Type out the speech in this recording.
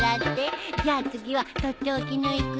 じゃあ次はとっておきのいくよ！